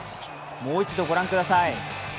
もう一度御覧ください。